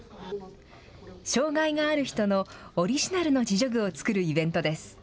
障害がある人のオリジナルの自助具を作るイベントです。